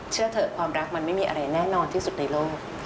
เชื่อเถอะความรักมันไม่มีอะไรแน่นอนที่สุดในโลก